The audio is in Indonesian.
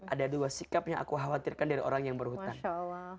ada dua sikap yang aku khawatirkan dari orang yang berhutang